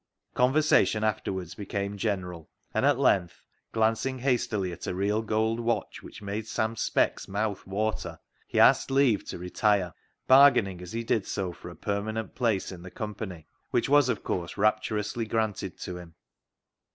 Conversation afterwards became general, and at length, glancing hastily at a real gold watch which made Sam Speck's mouth water, he asked leave to retire, bargaining as he did so 26o CLOG SHOP CHRONICLES for a permanent place in the company, which was of course rapturously granted to him.